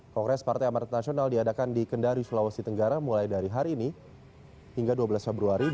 kongres partai amarat nasional diadakan di kendari sulawesi tenggara mulai dari hari ini hingga dua belas februari dua ribu dua puluh